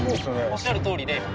おっしゃる通りで。